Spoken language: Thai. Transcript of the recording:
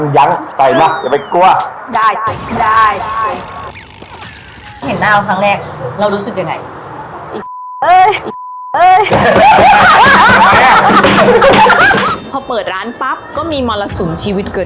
ยังไม่ขอส่วยข้อมือ